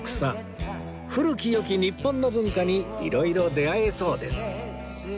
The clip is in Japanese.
古き良き日本の文化に色々出会えそうです